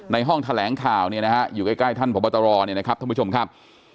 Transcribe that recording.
ห้องแถลงข่าวเนี่ยนะฮะอยู่ใกล้ท่านพบตรเนี่ยนะครับท่านผู้ชมครับ